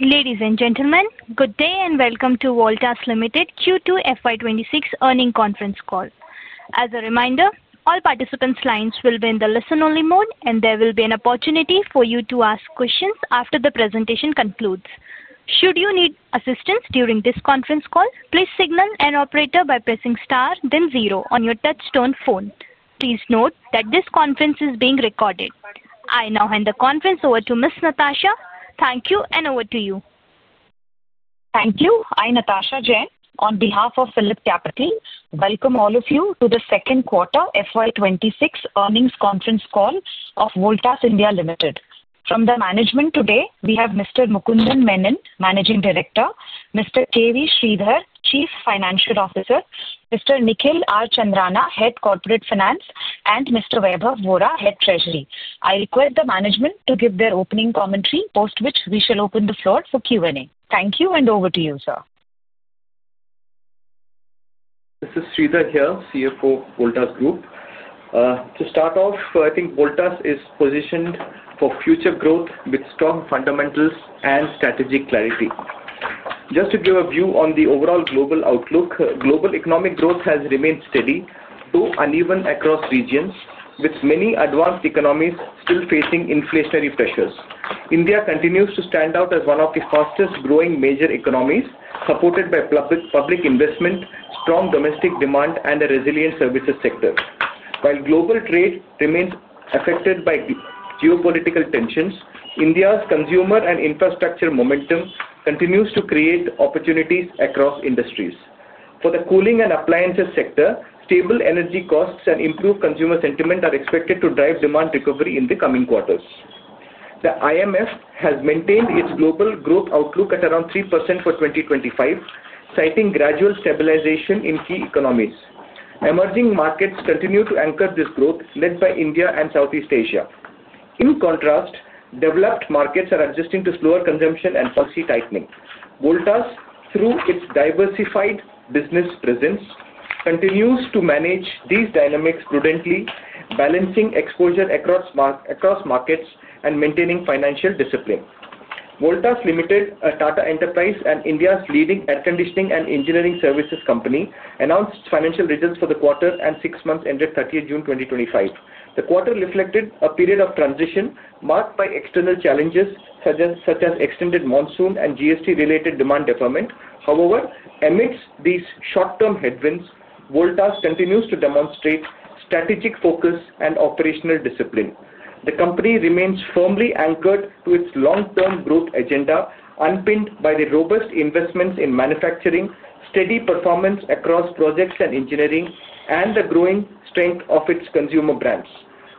Ladies and gentlemen, good day and welcome to Voltas Limited Q2 FY26 Earning Conference Call. As a reminder, all participants' lines will be in the listen-only mode, and there will be an opportunity for you to ask questions after the presentation concludes. Should you need assistance during this conference call, please signal an operator by pressing star, then zero on your touchstone phone. Please note that this conference is being recorded. I now hand the conference over to Ms. Natasha. Thank you, and over to you. Thank you. I'm Natasha Jain on behalf of PhillipCapital. Welcome all of you to the Second Quarter FY 2026 Earnings Conference Call of Voltas Limited. From the management today, we have Mr. Mukundan Menon, Managing Director, Mr. K.V. Sridhar, Chief Financial Officer, Mr. Nikhil R. Chandarana, Head Corporate Finance, and Mr. Vaibhv Vora, Head Treasury. I request the management to give their opening commentary, post which we shall open the floor for Q&A. Thank you, and over to you, sir. This is Sridhar here, CFO of Voltas Group. To start off, I think Voltas is positioned for future growth with strong fundamentals and strategic clarity. Just to give a view on the overall global outlook, global economic growth has remained steady, though uneven across regions, with many advanced economies still facing inflationary pressures. India continues to stand out as one of the fastest-growing major economies, supported by public investment, strong domestic demand, and a resilient services sector. While global trade remains affected by geopolitical tensions, India's consumer and infrastructure momentum continues to create opportunities across industries. For the cooling and appliances sector, stable energy costs and improved consumer sentiment are expected to drive demand recovery in the coming quarters. The IMF has maintained its global growth outlook at around 3% for 2025, citing gradual stabilization in key economies. Emerging markets continue to anchor this growth, led by India and Southeast Asia. In contrast, developed markets are adjusting to slower consumption and policy tightening. Voltas, through its diversified business presence, continues to manage these dynamics prudently, balancing exposure across markets and maintaining financial discipline. Voltas Limited, a Tata Enterprise and India's leading air-conditioning and engineering services company, announced financial results for the quarter and six months ended 30 June 2025. The quarter reflected a period of transition marked by external challenges such as extended monsoon and GST-related demand deferment. However, amidst these short-term headwinds, Voltas continues to demonstrate strategic focus and operational discipline. The company remains firmly anchored to its long-term growth agenda, unpinned by the robust investments in manufacturing, steady performance across projects and engineering, and the growing strength of its consumer brands.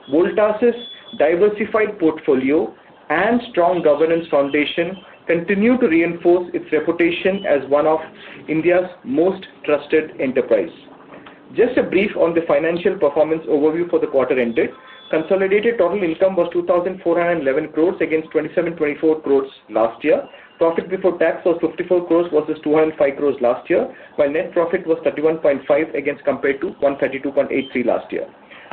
Voltas' diversified portfolio and strong governance foundation continue to reinforce its reputation as one of India's most trusted enterprises. Just a brief on the financial performance overview for the quarter ended. Consolidated total income was 24.11 billion against 27.24 billion last year. Profit before tax was 0.54 billion versus 2.05 billion last year, while net profit was 0.315 billion compared to 1.3283 billion last year.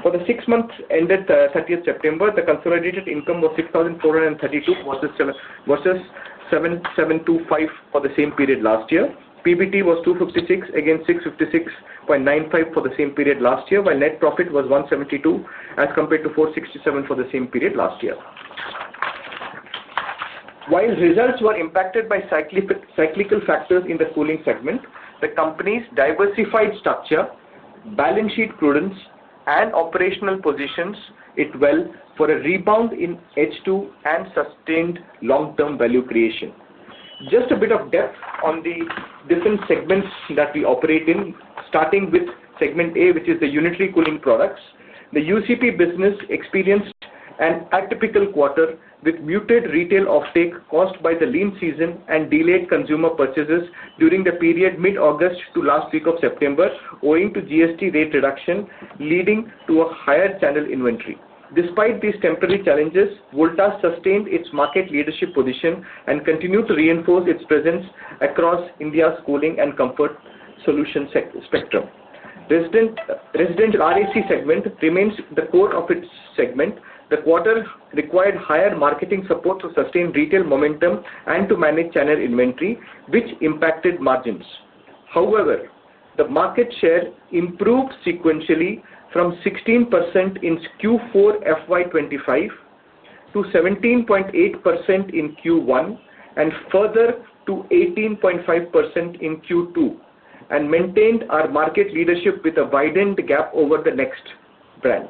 For the six months ended 30 September, the consolidated income was 64.32 billion versus 77.25 billion for the same period last year. PBT was 2.56 billion against 6.5695 billion for the same period last year, while net profit was 1.72 billion as compared to INR 4.67 billion for the same period last year. While results were impacted by cyclical factors in the cooling segment, the company's diversified structure, balance sheet prudence, and operational positions it well for a rebound in H2 and sustained long-term value creation. Just a bit of depth on the different segments that we operate in, starting with segment A, which is the Unitary Cooling Products. The UCP business experienced an atypical quarter with muted retail offtake caused by the lean season and delayed consumer purchases during the period mid-August to last week of September, owing to GST rate reduction leading to a higher channel inventory. Despite these temporary challenges, Voltas sustained its market leadership position and continued to reinforce its presence across India's cooling and comfort solution spectrum. Residential RAC segment remains the core of its segment. The quarter required higher marketing support to sustain retail momentum and to manage channel inventory, which impacted margins. However, the market share improved sequentially from 16% in Q4 FY2025 to 17.8% in Q1 and further to 18.5% in Q2, and maintained our market leadership with a widened gap over the next brand.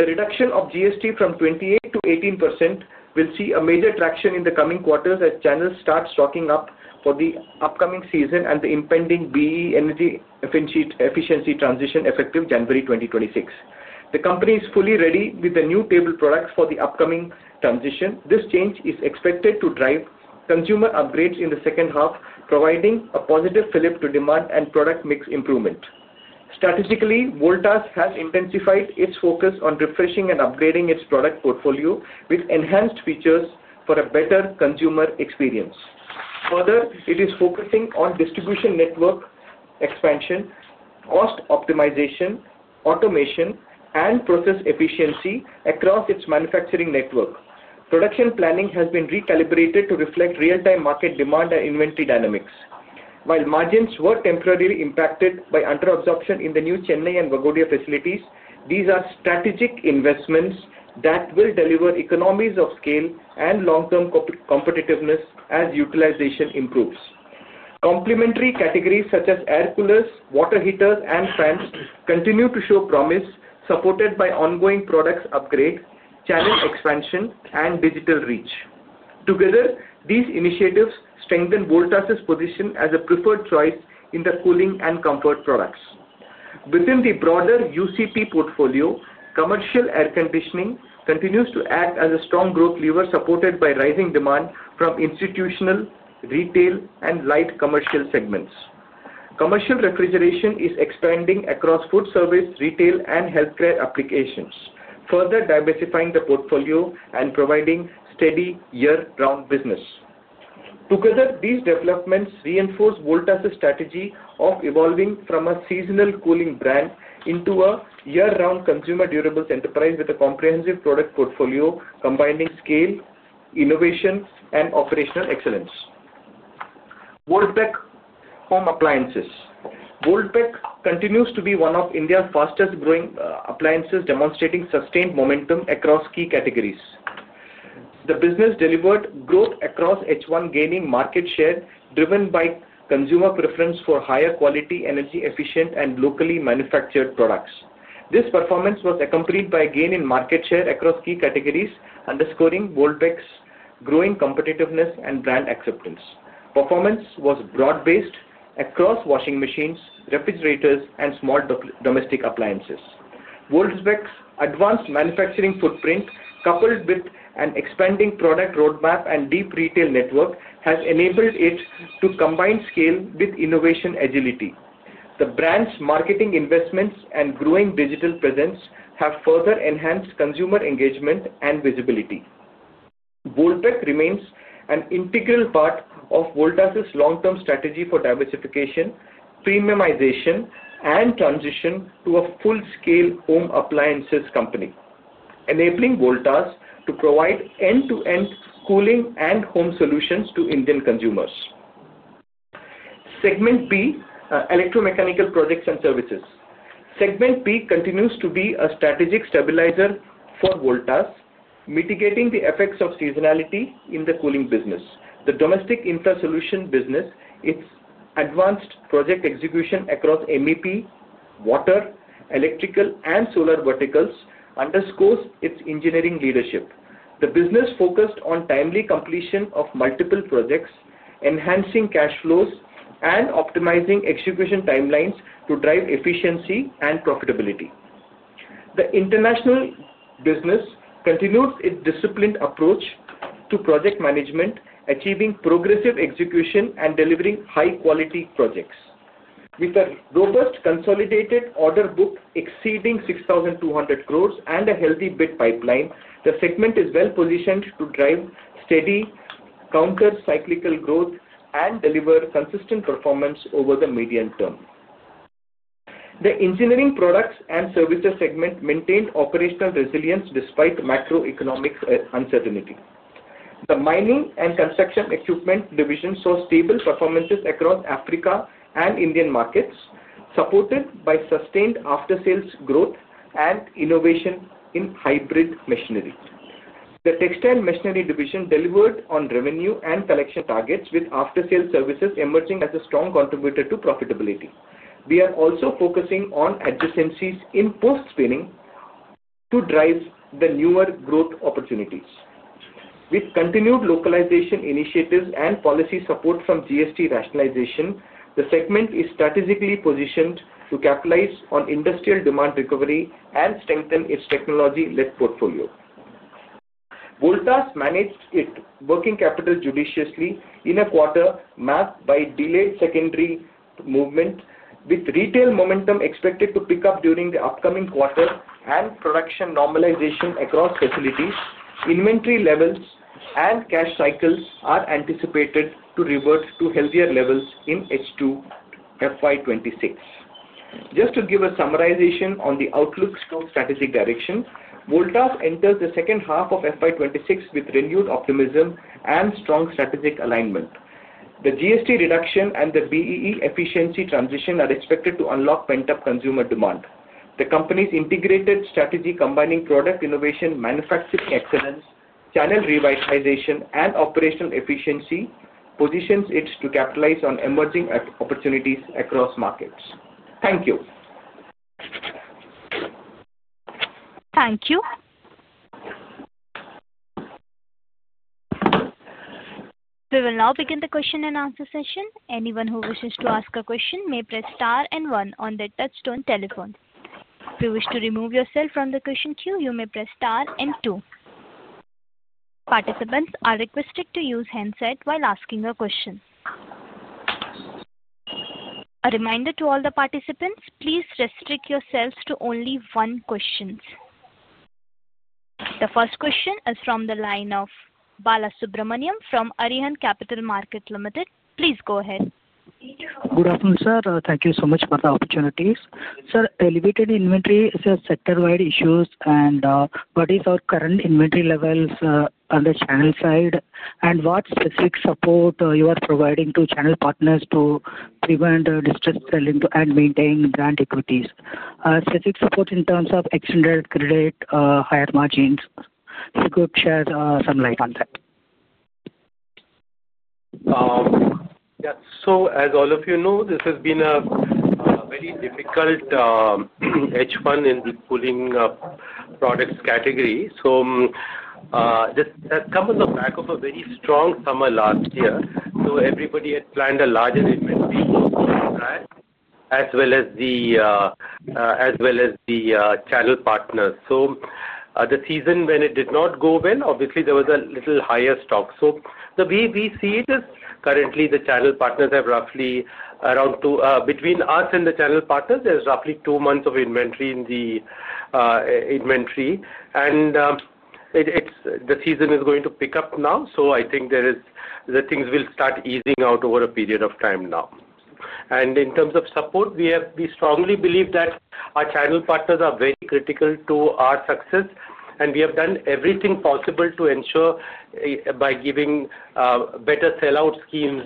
The reduction of GST from 28% to 18% will see a major traction in the coming quarters as channels start stocking up for the upcoming season and the impending BEE energy efficiency transition effective January 2026. The company is fully ready with the new table products for the upcoming transition. This change is expected to drive consumer upgrades in the second half, providing a positive flip to demand and product mix improvement. Strategically, Voltas has intensified its focus on refreshing and upgrading its product portfolio with enhanced features for a better consumer experience. Further, it is focusing on distribution network expansion, cost optimization, automation, and process efficiency across its manufacturing network. Production planning has been recalibrated to reflect real-time market demand and inventory dynamics. While margins were temporarily impacted by underabsorption in the new Chennai and Vaghodia facilities, these are strategic investments that will deliver economies of scale and long-term competitiveness as utilization improves. Complementary categories such as air coolers, water heaters, and fans continue to show promise, supported by ongoing product upgrades, channel expansion, and digital reach. Together, these initiatives strengthen Voltas' position as a preferred choice in the cooling and comfort products. Within the broader UCP portfolio, commercial air conditioning continues to act as a strong growth lever, supported by rising demand from institutional, retail, and light commercial segments. Commercial refrigeration is expanding across food service, retail, and healthcare applications, further diversifying the portfolio and providing steady year-round business. Together, these developments reinforce Voltas' strategy of evolving from a seasonal cooling brand into a year-round consumer durable enterprise with a comprehensive product portfolio combining scale, innovation, and operational excellence. Voltas Home Appliances. Voltas continues to be one of India's fastest-growing appliances, demonstrating sustained momentum across key categories. The business delivered growth across H1, gaining market share driven by consumer preference for higher quality, energy-efficient, and locally manufactured products. This performance was accompanied by a gain in market share across key categories, underscoring Voltas' growing competitiveness and brand acceptance. Performance was broad-based across washing machines, refrigerators, and small domestic appliances. Voltas' advanced manufacturing footprint, coupled with an expanding product roadmap and deep retail network, has enabled it to combine scale with innovation agility. The brand's marketing investments and growing digital presence have further enhanced consumer engagement and visibility. Voltas remains an integral part of Voltas' long-term strategy for diversification, premiumization, and transition to a full-scale home appliances company, enabling Voltas to provide end-to-end cooling and home solutions to Indian consumers. Segment B, Electromechanical Products and Services. Segment B continues to be a strategic stabilizer for Voltas, mitigating the effects of seasonality in the cooling business. The domestic infra solution business, its advanced project execution across MEP, Water, Electrical, and Solar Verticals, underscores its engineering leadership. The business focused on timely completion of multiple projects, enhancing cash flows, and optimizing execution timelines to drive efficiency and profitability. The international business continues its disciplined approach to project management, achieving progressive execution and delivering high-quality projects. With a robust consolidated order book exceeding 62 billion and a healthy bid pipeline, the segment is well-positioned to drive steady counter-cyclical growth and deliver consistent performance over the medium term. The engineering products and services segment maintained operational resilience despite macroeconomic uncertainty. The mining and construction equipment division saw stable performances across Africa and Indian markets, supported by sustained after-sales growth and innovation in hybrid machinery. The textile machinery division delivered on revenue and collection targets, with after-sales services emerging as a strong contributor to profitability. We are also focusing on adjacencies in post-spinning to drive the newer growth opportunities. With continued localization initiatives and policy support from GST rationalization, the segment is strategically positioned to capitalize on industrial demand recovery and strengthen its technology-led portfolio. Voltas managed its working capital judiciously in a quarter marked by delayed secondary movement, with retail momentum expected to pick up during the upcoming quarter and production normalization across facilities. Inventory levels and cash cycles are anticipated to revert to healthier levels in H2 FY2026. Just to give a summarization on the outlook to strategic direction, Voltas enters the second half of FY2026 with renewed optimism and strong strategic alignment. The GST reduction and the BE efficiency transition are expected to unlock pent-up consumer demand. The company's integrated strategy, combining product innovation, manufacturing excellence, channel revitalization, and operational efficiency, positions it to capitalize on emerging opportunities across markets. Thank you. Thank you. We will now begin the question and answer session. Anyone who wishes to ask a question may press star and one on the touchstone telephone. If you wish to remove yourself from the question queue, you may press star and two. Participants are requested to use handset while asking a question. A reminder to all the participants, please restrict yourselves to only one question. The first question is from the line of Balasubramanian from Arihant Capital Markets Limited. Please go ahead. Good afternoon, sir. Thank you so much for the opportunities. Sir, elevated inventory is a sector-wide issue, and what is our current inventory levels on the channel side? What specific support are you providing to channel partners to prevent distress selling and maintain brand equities? Specific support in terms of extended credit, higher margins. Could you share some light on that? Yeah. As all of you know, this has been a very difficult H1 in the cooling products category. This has come on the back of a very strong summer last year. Everybody had planned a larger inventory for the brand as well as the channel partners. The season did not go well, obviously, there was a little higher stock. The way we see it is currently, the channel partners have roughly around, between us and the channel partners, there's roughly two months of inventory. The season is going to pick up now. I think things will start easing out over a period of time now. In terms of support, we strongly believe that our channel partners are very critical to our success. We have done everything possible to ensure by giving better sellout schemes,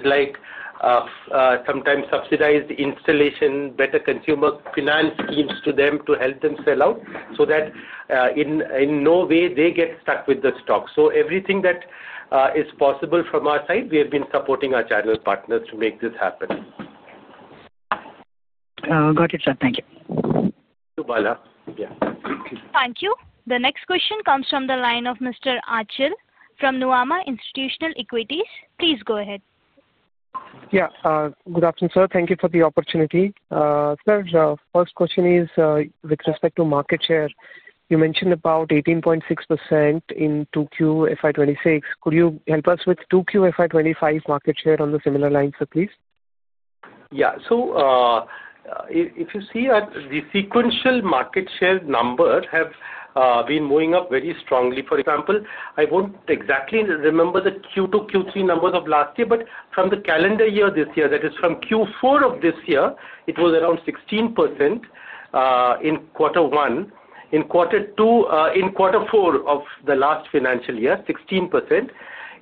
like sometimes subsidized installation, better consumer finance schemes to them to help them sell out so that in no way they get stuck with the stock. Everything that is possible from our side, we have been supporting our channel partners to make this happen. Got it, sir. Thank you. Thank you, Bala. Yeah. Thank you. The next question comes from the line of Mr. Achal from Nuvama Institutional Equities. Please go ahead. Yeah. Good afternoon, sir. Thank you for the opportunity. Sir, first question is with respect to market share. You mentioned about 18.6% in 2Q FY2026. Could you help us with 2Q FY2025 market share on the similar line, sir, please? Yeah. If you see that the sequential market share numbers have been moving up very strongly. For example, I won't exactly remember the Q2, Q3 numbers of last year, but from the calendar year this year, that is from Q4 of this year, it was around 16% in quarter one. In quarter four of the last financial year, 16%.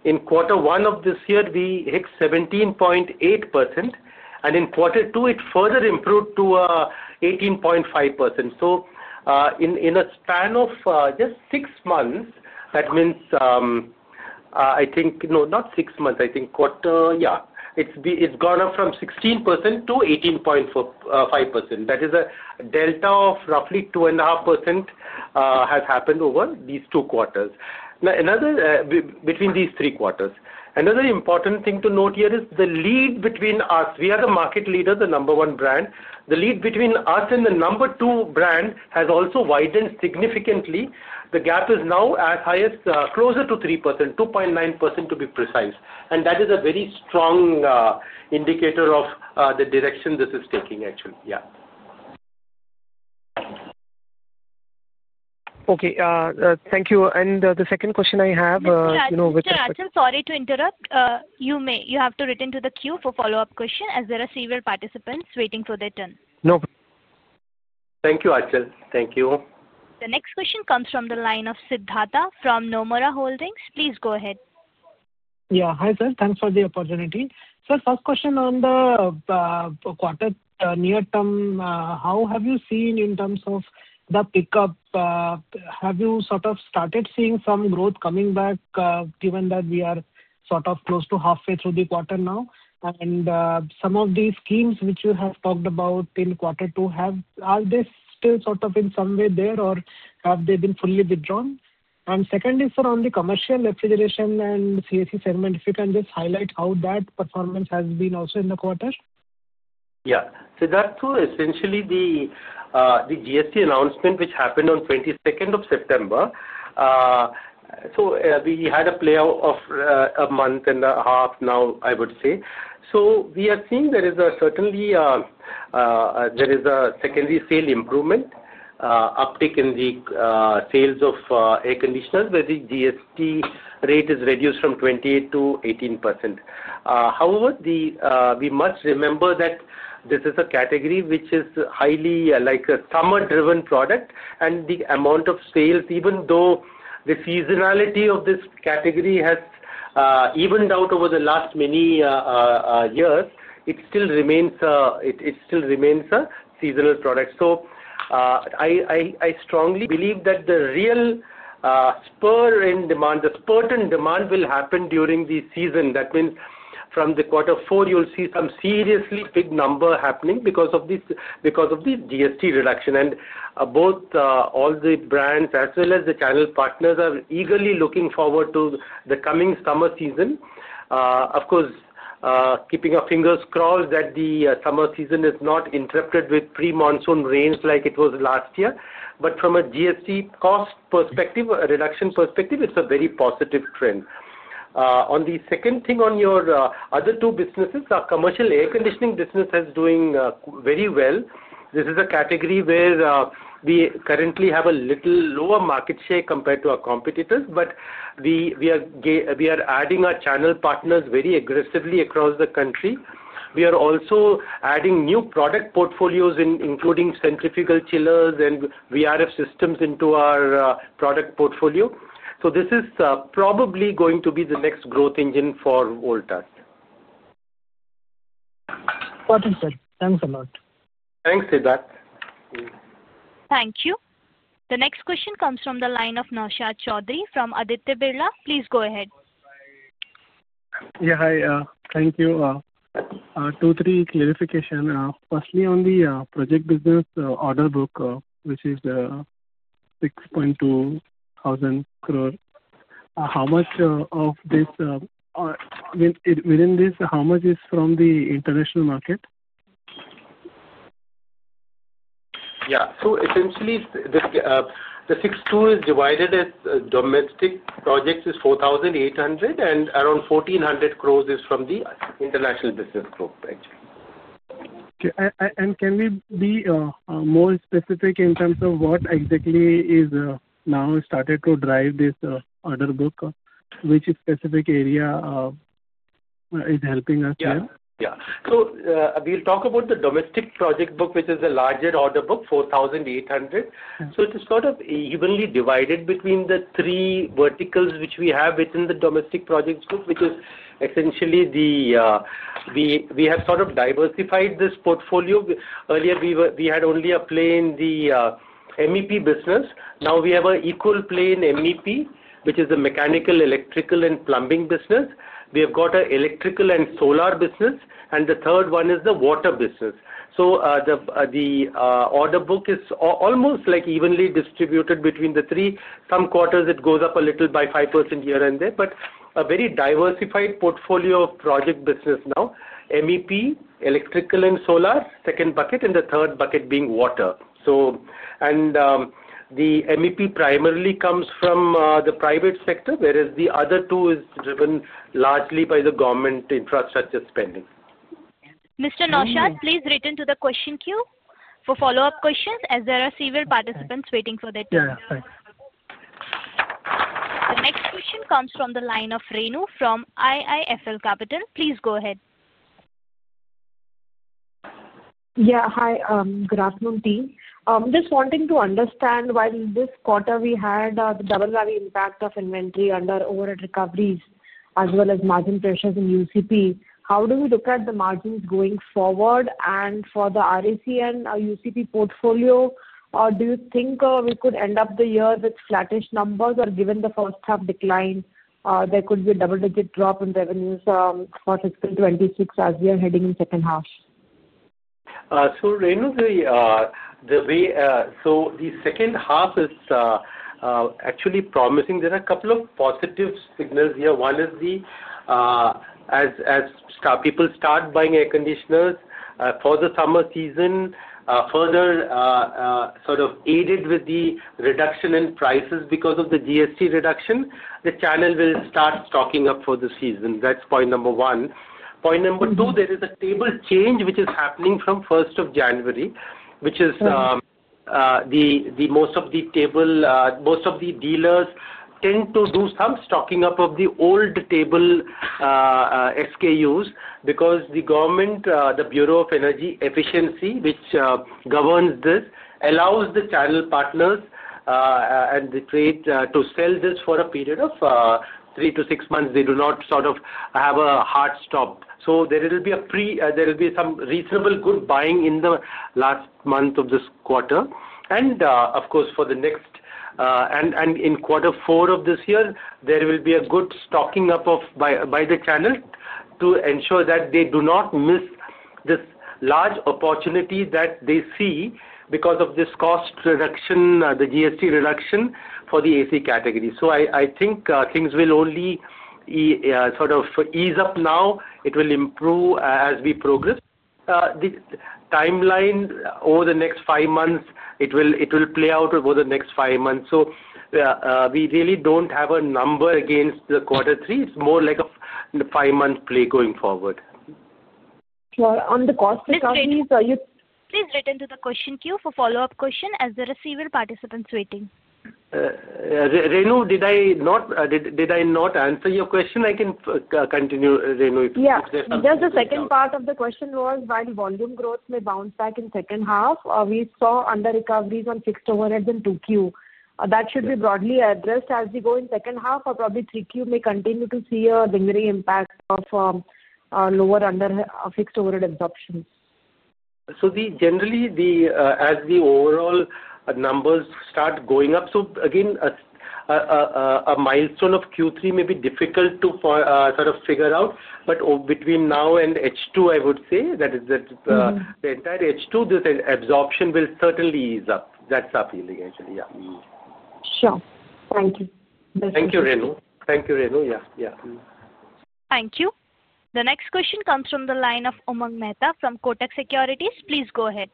In quarter one of this year, we hit 17.8%. In quarter two, it further improved to 18.5%. In a span of just six months, that means I think, no, not six months, I think quarter, yeah, it's gone up from 16% to 18.5%. That is a delta of roughly 2.5% has happened over these two quarters. Now, between these three quarters, another important thing to note here is the lead between us. We are the market leader, the number one brand. The lead between us and the number two brand has also widened significantly. The gap is now as high as closer to 3%, 2.9% to be precise. That is a very strong indicator of the direction this is taking, actually. Yeah. Okay. Thank you. The second question I have. Yeah. Yeah. Mr. Achal, sorry to interrupt. You have to return to the queue for follow-up question as there are several participants waiting for their turn. No problem. Thank you, Achal. Thank you. The next question comes from the line of Siddhartha from Nomura Holdings. Please go ahead. Yeah. Hi, sir. Thanks for the opportunity. Sir, first question on the quarter near term, how have you seen in terms of the pickup? Have you sort of started seeing some growth coming back, given that we are sort of close to halfway through the quarter now? Some of these schemes which you have talked about in quarter two, are they still sort of in some way there, or have they been fully withdrawn? Second is, sir, on the commercial refrigeration and CAC segment, if you can just highlight how that performance has been also in the quarter? Yeah. Siddhartha, essentially, the GST announcement which happened on 22nd of September. So we had a playoff of a month and a half now, I would say. We are seeing there is certainly a secondary sale improvement, uptick in the sales of air conditioners, where the GST rate is reduced from 28% to 18%. However, we must remember that this is a category which is highly like a summer-driven product. The amount of sales, even though the seasonality of this category has evened out over the last many years, it still remains a seasonal product. I strongly believe that the real spur in demand, the spurt in demand will happen during the season. That means from the quarter four, you'll see some seriously big number happening because of the GST reduction. Both all the brands as well as the channel partners are eagerly looking forward to the coming summer season. Of course, keeping our fingers crossed that the summer season is not interrupted with pre-monsoon rains like it was last year. From a GST cost perspective, a reduction perspective, it is a very positive trend. On the second thing, on your other two businesses, our commercial air conditioning business is doing very well. This is a category where we currently have a little lower market share compared to our competitors. We are adding our channel partners very aggressively across the country. We are also adding new product portfolios, including centrifugal chillers and VRF systems into our product portfolio. This is probably going to be the next growth engine for Voltas. Got it, sir. Thanks a lot. Thanks, Siddhartha. Thank you. The next question comes from the line of Naushad Chaudhary from Aditya Birla. Please go ahead. Yeah. Hi. Thank you. Two, three clarification. Firstly, on the project business order book, which is 62 billion, how much of this within this, how much is from the international market? Yeah. Essentially, the 62 billion is divided as domestic projects is 48 billion, and around 14 billion is from the international business group, actually. Okay. Can we be more specific in terms of what exactly is now started to drive this order book? Which specific area is helping us here? Yeah. Yeah. We'll talk about the domestic project book, which is the larger order book, 48 billion. It is sort of evenly divided between the three verticals which we have within the domestic projects group, which is essentially the, we have sort of diversified this portfolio. Earlier, we had only a plain MEP business. Now we have an equal plain MEP, which is the Mechanical, Electrical, and Plumbing Business. We have got an Electrical and Solar Business. The third one is the Water Business. The order book is almost evenly distributed between the three. Some quarters, it goes up a little by 5% here and there, but a very diversified portfolio of project business now. MEP, Electrical and Solar, second bucket, and the third bucket being Water. The MEP primarily comes from the private sector, whereas the other two is driven largely by the government infrastructure spending. Mr. Naushad, please return to the question queue for follow-up questions as there are several participants waiting for their turn. Yeah. Thanks. The next question comes from the line of Renu from IIFL Capital. Please go ahead. Yeah. Hi. Good afternoon, team. Just wanting to understand while this quarter, we had the double value impact of inventory under overhead recoveries as well as margin pressures in UCP. How do we look at the margins going forward? For the RAC and UCP portfolio, do you think we could end up the year with flattish numbers? Or given the first-half decline, there could be a double-digit drop in revenues for fiscal 2026 as we are heading into the second half? Renu, the way, the second half is actually promising. There are a couple of positive signals here. One is as people start buying air conditioners for the summer season, further sort of aided with the reduction in prices because of the GST reduction, the channel will start stocking up for the season. That's point number one. Point number two, there is a table change which is happening from 1st January, which is the most of the table, most of the dealers tend to do some stocking up of the old table SKUs because the government, the Bureau of Energy Efficiency, which governs this, allows the channel partners and the trade to sell this for a period of three to six months. They do not sort of have a hard stop. There will be a pre, there will be some reasonable good buying in the last month of this quarter. Of course, for the next and in quarter four of this year, there will be a good stocking up by the channel to ensure that they do not miss this large opportunity that they see because of this cost reduction, the GST reduction for the AC category. I think things will only sort of ease up now. It will improve as we progress. The timeline over the next five months, it will play out over the next five months. We really do not have a number against the quarter three. It is more like a five-month play going forward. Sure. On the cost. Please return to the question queue for follow-up question as there are participants waiting. Renu, did I not answer your question? I can continue, Renu, if you have something. Yeah. Just the second part of the question was, while volume growth may bounce back in second half, we saw under recoveries on fixed overheads in 2Q. That should be broadly addressed. As we go in second half, probably 3Q may continue to see a lingering impact of lower under fixed overhead absorption. Generally, as the overall numbers start going up, again, a milestone of Q3 may be difficult to sort of figure out. Between now and H2, I would say, that is the entire H2, this absorption will certainly ease up. That's our feeling, actually. Yeah. Sure. Thank you. Thank you, Renu. Yeah. Thank you. The next question comes from the line of Umang Mehta from Kotak Securities. Please go ahead.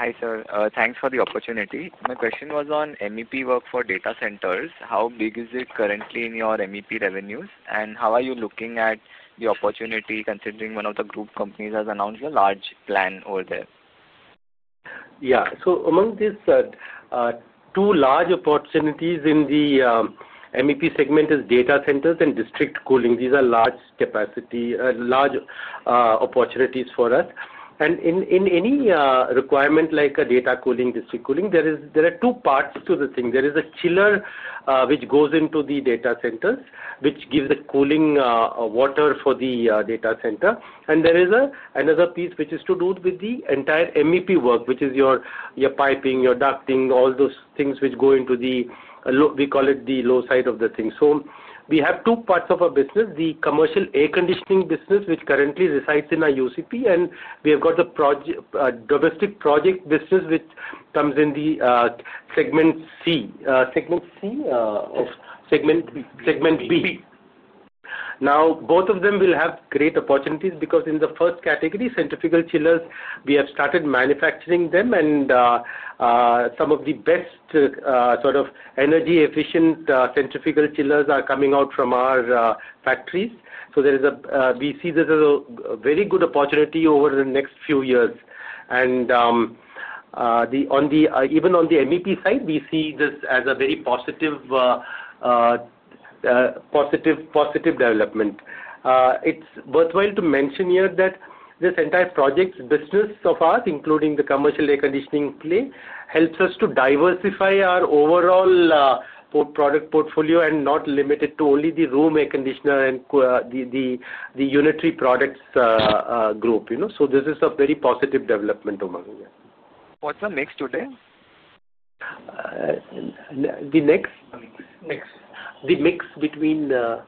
Hi, sir. Thanks for the opportunity. My question was on MEP work for data centers. How big is it currently in your MEP revenues? How are you looking at the opportunity considering one of the group companies has announced a large plan over there? Yeah. Among these two large opportunities in the MEP segment is data centers and district cooling. These are large capacity, large opportunities for us. In any requirement like data cooling, district cooling, there are two parts to the thing. There is a chiller which goes into the data centers, which gives the cooling water for the data center. There is another piece which is to do with the entire MEP work, which is your piping, your ducting, all those things which go into the, we call it the low side of the thing. We have two parts of our business: the commercial air conditioning business, which currently resides in our UCP, and we have got the domestic project business, which comes in the segment C, segment C of segment B. Now, both of them will have great opportunities because in the first category, centrifugal chillers, we have started manufacturing them. Some of the best sort of energy-efficient centrifugal chillers are coming out from our factories. We see this as a very good opportunity over the next few years. Even on the MEP side, we see this as a very positive development. It is worthwhile to mention here that this entire project business of ours, including the commercial air conditioning play, helps us to diversify our overall product portfolio and not limit it to only the room air conditioner and the unitary products group. This is a very positive development among us. What's the mix today? The mix between the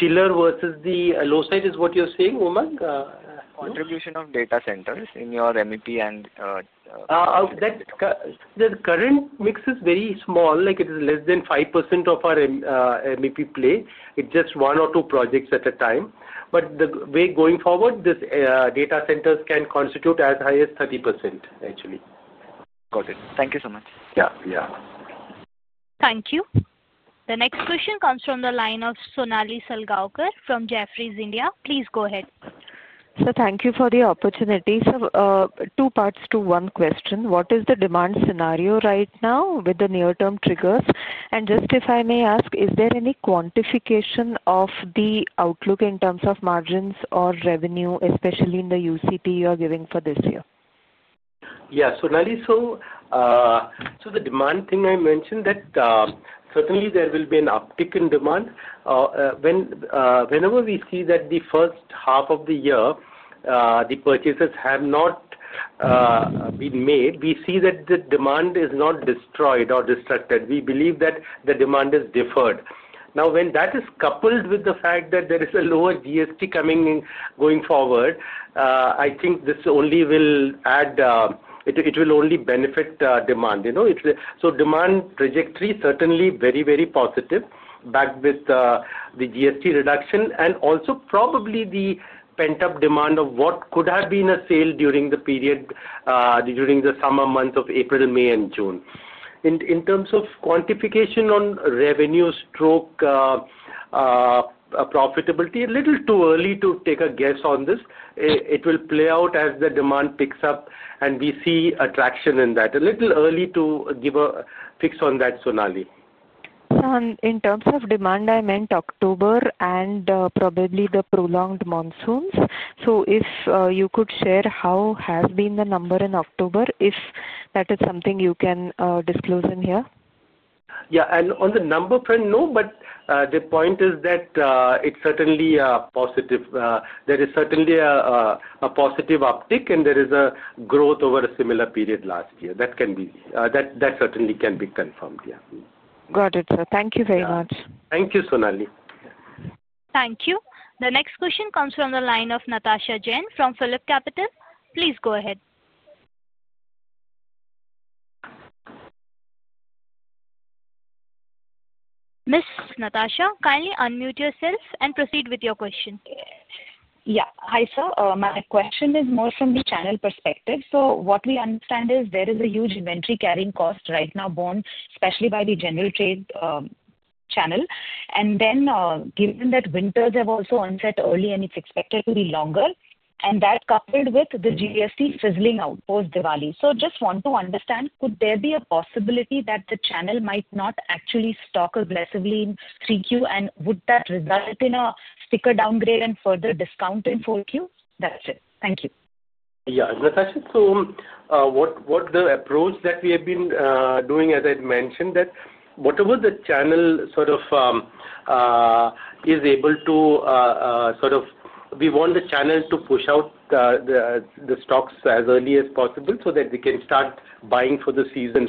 chiller versus the low side is what you're saying, Umang? Contribution of data centers in your MEP and. The current mix is very small. It is less than 5% of our MEP play. It's just one or two projects at a time. The way going forward, these data centers can constitute as high as 30%, actually. Got it. Thank you so much. Yeah. Yeah. Thank you. The next question comes from the line of Sonali Salgaonkar from Jefferies India. Please go ahead. Sir, thank you for the opportunity. Sir, two parts to one question. What is the demand scenario right now with the near-term triggers? If I may ask, is there any quantification of the outlook in terms of margins or revenue, especially in the UCP you are giving for this year? Yeah. The demand thing I mentioned, that certainly there will be an uptick in demand. Whenever we see that the first half of the year, the purchases have not been made, we see that the demand is not destroyed or destructed. We believe that the demand is deferred. Now, when that is coupled with the fact that there is a lower GST coming in going forward, I think this only will add, it will only benefit demand. Demand trajectory certainly very, very positive back with the GST reduction and also probably the pent-up demand of what could have been a sale during the period, during the summer months of April, May, and June. In terms of quantification on revenue stroke, profitability, a little too early to take a guess on this. It will play out as the demand picks up and we see attraction in that. A little early to give a fix on that, Sonali. In terms of demand, I meant October and probably the prolonged monsoons. If you could share how has been the number in October, if that is something you can disclose in here. Yeah. On the number front, no. The point is that it's certainly a positive. There is certainly a positive uptick and there is a growth over a similar period last year. That certainly can be confirmed. Yeah. Got it, sir. Thank you very much. Thank you, Sonali. Thank you. The next question comes from the line of Natasha Jain from PhillipCapital. Please go ahead. Ms. Natasha, kindly unmute yourself and proceed with your question. Yeah. Hi, sir. My question is more from the channel perspective. What we understand is there is a huge inventory carrying cost right now borne, especially by the general trade channel. Given that winters have also onset early and it is expected to be longer, and that coupled with the GST sizzling out post-Diwali. I just want to understand, could there be a possibility that the channel might not actually stock aggressively in 3Q, and would that result in a sticker downgrade and further discount in 4Q? That's it. Thank you. Yeah. Natasha, so what the approach that we have been doing, as I mentioned, that whatever the channel sort of is able to sort of we want the channel to push out the stocks as early as possible so that they can start buying for the season.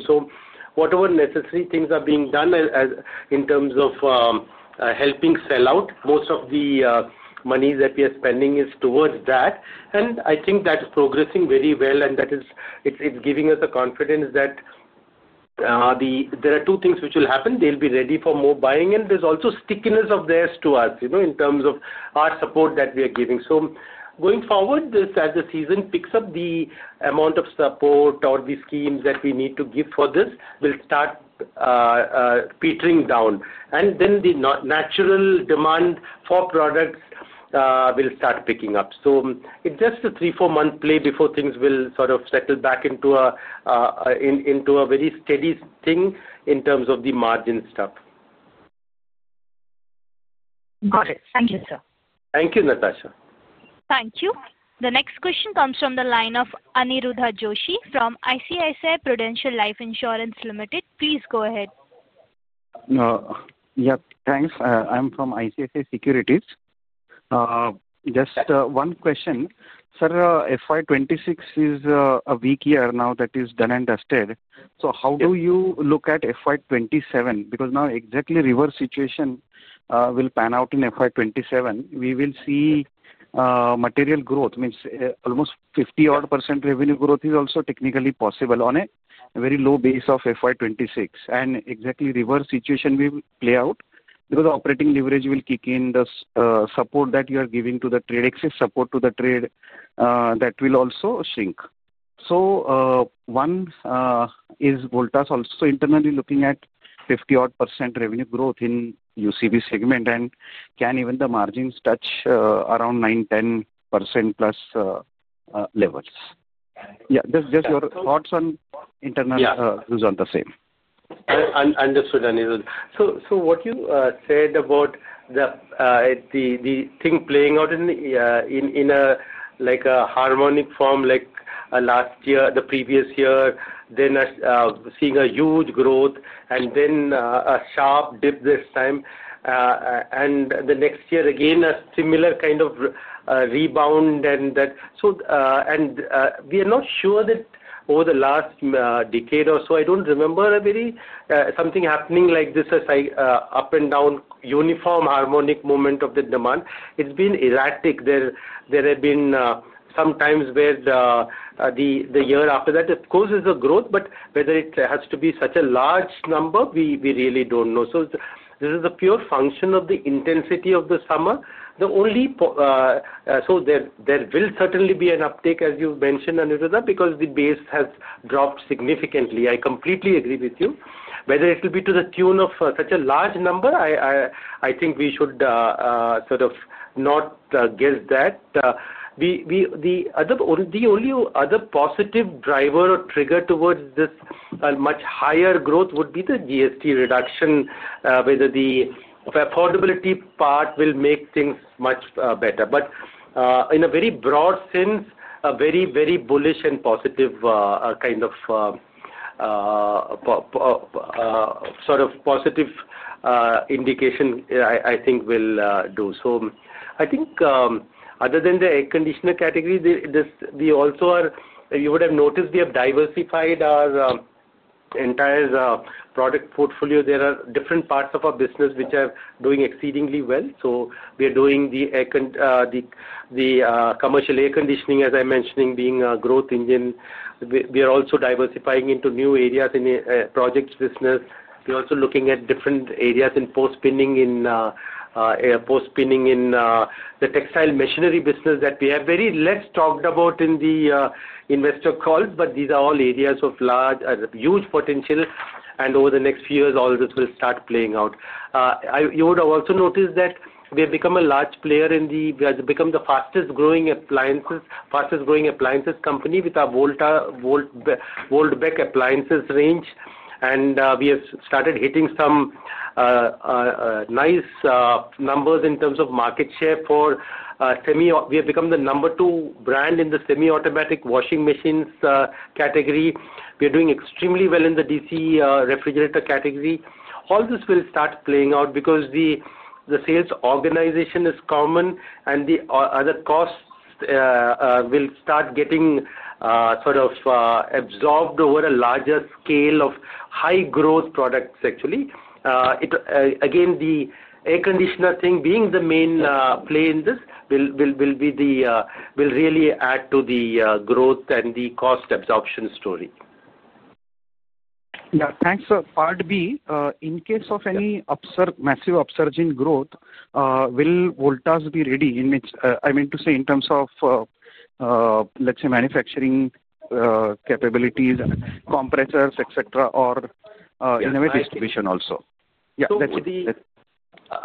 Whatever necessary things are being done in terms of helping sell out, most of the money that we are spending is towards that. I think that is progressing very well, and that is giving us the confidence that there are two things which will happen. They'll be ready for more buying, and there's also stickiness of theirs to us in terms of our support that we are giving. Going forward, as the season picks up, the amount of support or the schemes that we need to give for this will start petering down. The natural demand for products will start picking up. It is just a three- to four-month play before things will sort of settle back into a very steady thing in terms of the margin stuff. Got it. Thank you, sir. Thank you, Natasha. Thank you. The next question comes from the line of Aniruddha Joshi from ICICI Prudential Life Insurance Limited. Please go ahead. Yeah. Thanks. I'm from ICICI Securities. Just one question. Sir, FY2026 is a weak year now that is done and dusted. How do you look at FY2027? Because now exactly reverse situation will pan out in FY2027. We will see material growth. I mean, almost 50-odd % revenue growth is also technically possible on a very low base of FY2026. Exactly reverse situation will play out because operating leverage will kick in, the support that you are giving to the trade, excess support to the trade, that will also shrink. One is, is Voltas also internally looking at 50-odd % revenue growth in UCP segment and can even the margins touch around 9%-10%+ levels. Yeah. Just your thoughts on internal goes on the same. Understood, Aniruddha. What you said about the thing playing out in a harmonic form like last year, the previous year, then seeing a huge growth and then a sharp dip this time, and the next year again a similar kind of rebound and that. We are not sure that over the last decade or so, I do not remember something happening like this up and down uniform harmonic moment of the demand. It has been erratic. There have been some times where the year after that, of course, is a growth, but whether it has to be such a large number, we really do not know. This is a pure function of the intensity of the summer. There will certainly be an uptick, as you mentioned, Aniruddha, because the base has dropped significantly. I completely agree with you. Whether it will be to the tune of such a large number, I think we should sort of not guess that. The only other positive driver or trigger towards this much higher growth would be the GST reduction, whether the affordability part will make things much better. In a very broad sense, a very, very bullish and positive kind of sort of positive indication, I think, will do. I think other than the air conditioner category, we also are, you would have noticed, we have diversified our entire product portfolio. There are different parts of our business which are doing exceedingly well. We are doing the commercial air conditioning, as I mentioned, being a growth engine. We are also diversifying into new areas in project business. We're also looking at different areas in post-spinning, in the textile machinery business that we have very less talked about in the investor calls, but these are all areas of huge potential. Over the next few years, all this will start playing out. You would have also noticed that we have become a large player in the—we have become the fastest-growing appliances company with our Voltas Beko appliances range. We have started hitting some nice numbers in terms of market share for semi; we have become the number two brand in the semi-automatic washing machines category. We are doing extremely well in the DC refrigerator category. All this will start playing out because the sales organization is common, and the other costs will start getting sort of absorbed over a larger scale of high-growth products, actually. Again, the air conditioner thing, being the main play in this, will really add to the growth and the cost absorption story. Yeah. Thanks. Part B, in case of any massive upsurging growth, will Voltas be ready? I mean to say in terms of, let's say, manufacturing capabilities, compressors, etc., or innovative solution also. Yeah. That's it.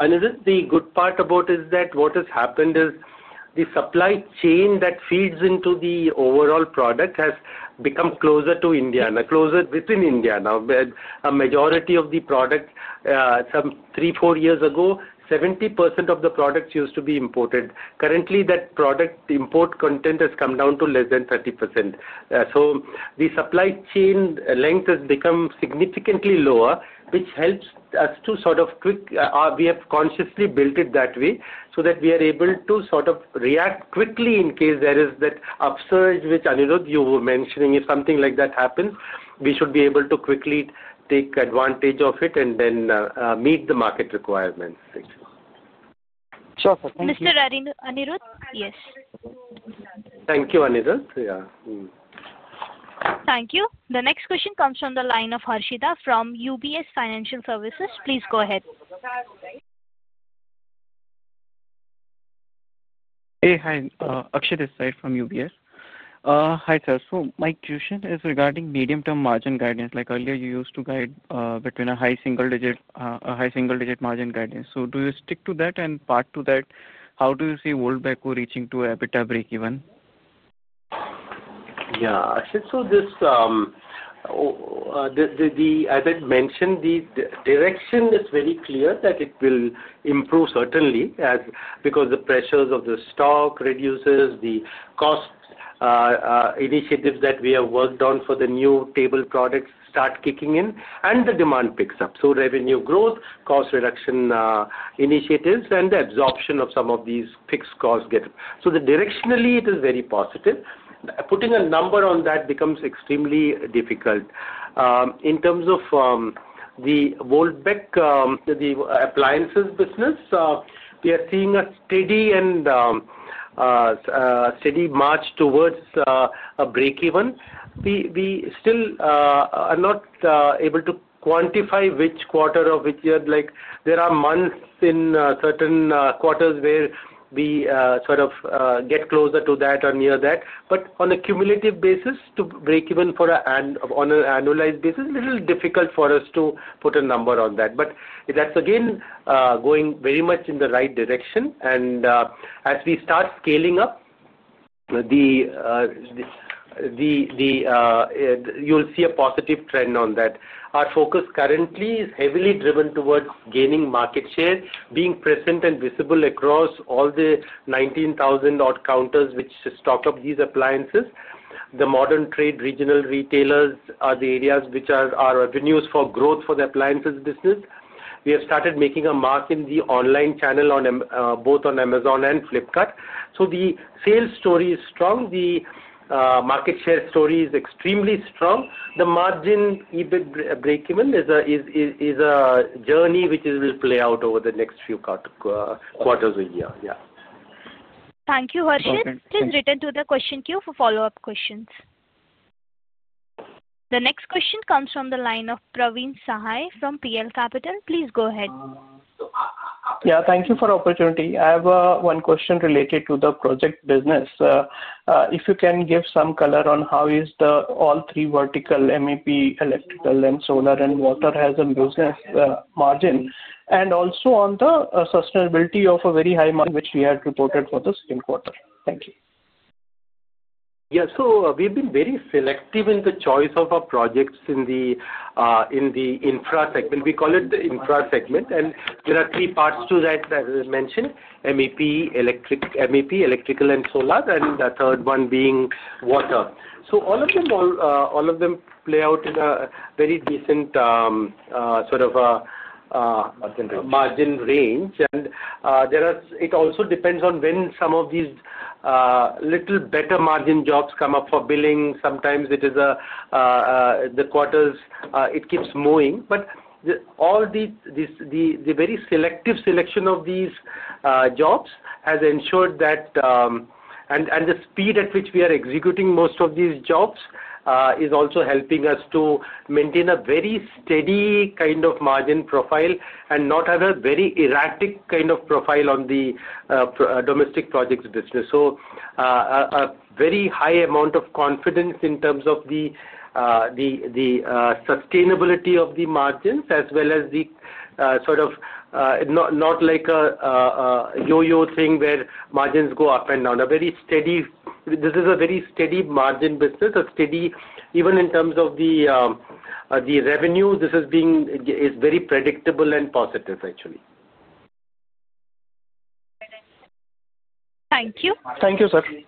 Aniruddha, the good part about it is that what has happened is the supply chain that feeds into the overall product has become closer to India, closer within India now. A majority of the product, some three, four years ago, 70% of the products used to be imported. Currently, that product import content has come down to less than 30%. The supply chain length has become significantly lower, which helps us to sort of quick, we have consciously built it that way so that we are able to sort of react quickly in case there is that upsurge which, Aniruddha, you were mentioning. If something like that happens, we should be able to quickly take advantage of it and then meet the market requirements. Sure, sir. Thank you. Mr. Aniruddha? Yes. Thank you, Aniruddha. Yeah. Thank you. The next question comes from the line of Harshitha from UBS Financial Services. Please go ahead. Hey, hi. Akshitha from UBS. Hi, sir. My question is regarding medium-term margin guidance. Like earlier, you used to guide between a high single-digit margin guidance. Do you stick to that and part to that? How do you see Voltas Beko reaching to EBITDA break-even? Yeah. As I mentioned, the direction is very clear that it will improve certainly because the pressures of the stock reduce, the cost initiatives that we have worked on for the new table products start kicking in, and the demand picks up. Revenue growth, cost reduction initiatives, and the absorption of some of these fixed costs get up. Directionally, it is very positive. Putting a number on that becomes extremely difficult. In terms of the Voltas Beko appliances business, we are seeing a steady march towards a break-even. We still are not able to quantify which quarter of which year. There are months in certain quarters where we sort of get closer to that or near that. On a cumulative basis, to break even on an annualized basis, it is a little difficult for us to put a number on that. That is again going very much in the right direction. As we start scaling up, you'll see a positive trend on that. Our focus currently is heavily driven towards gaining market share, being present and visible across all the 19,000-odd counters which stock up these appliances. The modern trade regional retailers are the areas which are revenues for growth for the appliances business. We have started making a mark in the online channel both on Amazon and Flipkart. The sales story is strong. The market share story is extremely strong. The margin EBIT break-even is a journey which will play out over the next few quarters of the year. Yeah. Thank you, Harshitha. Please return to the question queue for follow-up questions. The next question comes from the line of Praveen Sahay from PL Capital. Please go ahead. Yeah. Thank you for the opportunity. I have one question related to the project business. If you can give some color on how all three vertical, MEP, Electrical, and Solar and Water has a business margin, and also on the sustainability of a very high margin which we had reported for the second quarter. Thank you. Yeah. We have been very selective in the choice of our projects in the infra segment. We call it the infra segment. There are three parts to that, as I mentioned: MEP, Electrical, and Solar, and the third one being Water. All of them play out in a very decent sort of margin range. It also depends on when some of these little better margin jobs come up for billing. Sometimes it is the quarters; it keeps moving. The very selective selection of these jobs has ensured that, and the speed at which we are executing most of these jobs is also helping us to maintain a very steady kind of margin profile and not have a very erratic kind of profile on the domestic projects business. A very high amount of confidence in terms of the sustainability of the margins, as well as the sort of not like a yo-yo thing where margins go up and down. This is a very steady margin business. Even in terms of the revenue, this is being very predictable and positive, actually. Thank you. Thank you, sir. Thank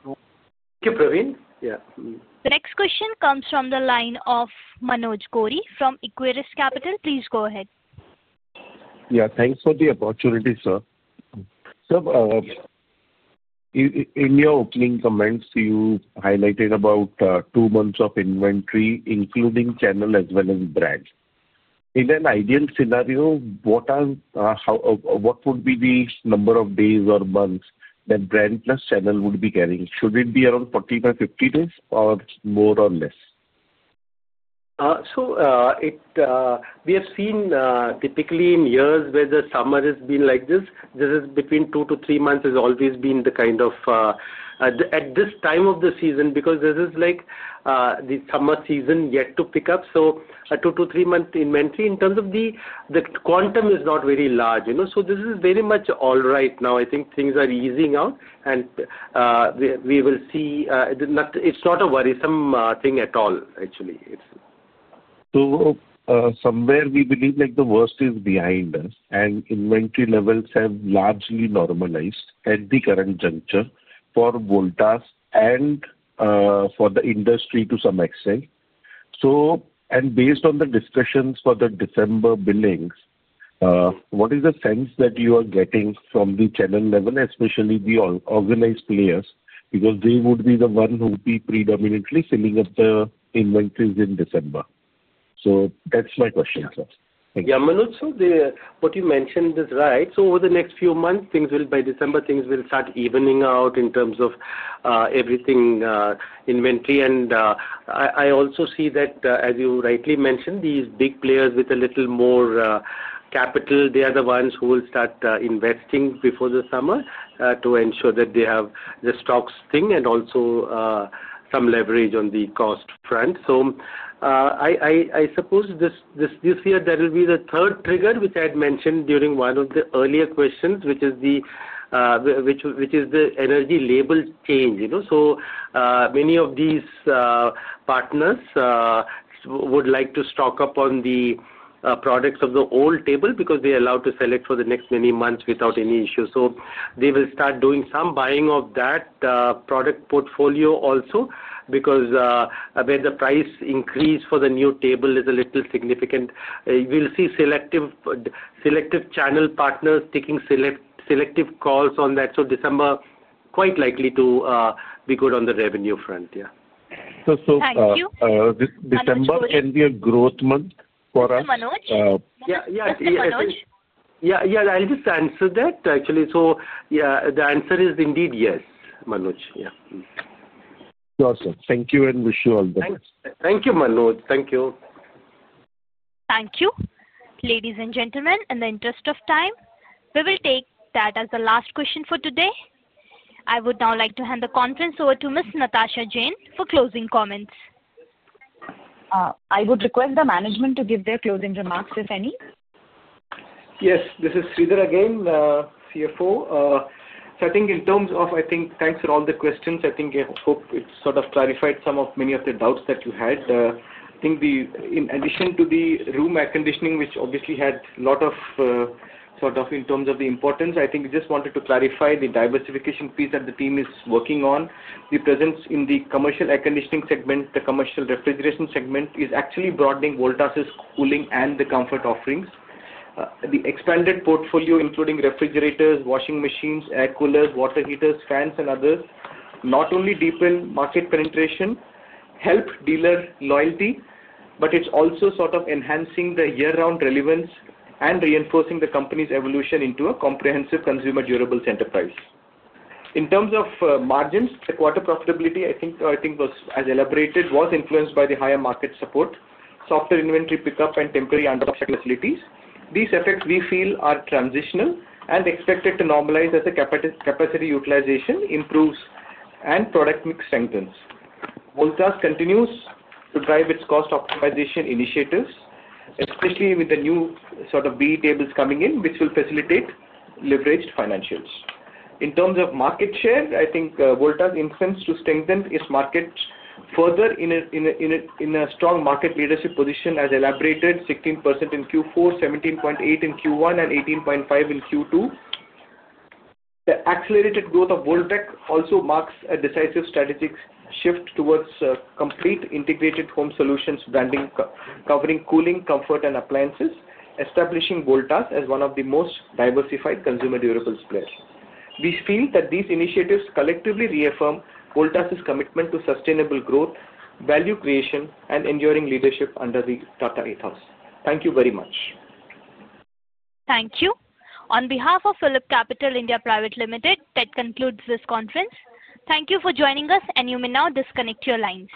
you, Praveen. Yeah. The next question comes from the line of Manoj Gori from Equirus Capital. Please go ahead. Yeah. Thanks for the opportunity, sir. Sir, in your opening comments, you highlighted about two months of inventory, including channel as well as brand. In an ideal scenario, what would be the number of days or months that brand plus channel would be carrying? Should it be around 40-50 days or more or less? We have seen typically in years where the summer has been like this, this is between two to three months has always been the kind of at this time of the season because this is like the summer season yet to pick up. A two to three-month inventory in terms of the quantum is not very large. This is very much all right now. I think things are easing out, and we will see it's not a worrisome thing at all, actually. Somewhere we believe the worst is behind us, and inventory levels have largely normalized at the current juncture for Voltas and for the industry to some extent. Based on the discussions for the December billings, what is the sense that you are getting from the channel level, especially the organized players? They would be the ones who would be predominantly filling up the inventories in December. That is my question, sir. Thank you. Yeah. Manoj, what you mentioned is right. Over the next few months, by December, things will start evening out in terms of everything inventory. I also see that, as you rightly mentioned, these big players with a little more capital, they are the ones who will start investing before the summer to ensure that they have the stocks thing and also some leverage on the cost front. I suppose this year there will be the third trigger, which I had mentioned during one of the earlier questions, which is the energy label change. Many of these partners would like to stock up on the products of the old label because they are allowed to sell for the next many months without any issue. They will start doing some buying of that product portfolio also because where the price increase for the new label is a little significant. We will see selective channel partners taking selective calls on that. December is quite likely to be good on the revenue front. Yeah. Thank you. December can be a growth month for us? Mr. Manoj? Yeah. Yeah. I'll just answer that, actually. So the answer is indeed yes, Manoj. Yeah. Sure, sir. Thank you and wish you all the best. Thank you, Manoj. Thank you. Thank you. Ladies and gentlemen, in the interest of time, we will take that as the last question for today. I would now like to hand the conference over to Ms. Natasha Jain for closing comments. I would request the management to give their closing remarks, if any. Yes. This is Sridhar again, CFO. I think in terms of, I think thanks for all the questions. I hope it sort of clarified some of many of the doubts that you had. In addition to the room air conditioning, which obviously had a lot of sort of in terms of the importance, we just wanted to clarify the diversification piece that the team is working on. The presence in the commercial air conditioning segment, the commercial refrigeration segment is actually broadening Voltas' cooling and the comfort offerings. The expanded portfolio, including refrigerators, washing machines, air coolers, water heaters, fans, and others, not only deepen market penetration, help dealer loyalty, but it is also sort of enhancing the year-round relevance and reinforcing the company's evolution into a comprehensive consumer durable center price. In terms of margins, the quarter profitability, I think, was as elaborated, was influenced by the higher market support, software inventory pickup, and temporary unprofitabilities. These effects, we feel, are transitional and expected to normalize as the capacity utilization improves and product mix strengthens. Voltas continues to drive its cost optimization initiatives, especially with the new sort of B tables coming in, which will facilitate leveraged financials. In terms of market share, I think Voltas' incentive to strengthen its market further in a strong market leadership position as elaborated, 16% in Q4, 17.8% in Q1, and 18.5% in Q2. The accelerated growth of Voltas Beko also marks a decisive strategic shift towards complete integrated home solutions branding covering cooling, comfort, and appliances, establishing Voltas as one of the most diversified consumer durable players. We feel that these initiatives collectively reaffirm Voltas' commitment to sustainable growth, value creation, and enduring leadership under the Tata ethos. Thank you very much. Thank you. On behalf of PhillipCapital India Private Limited, that concludes this conference. Thank you for joining us, and you may now disconnect your lines.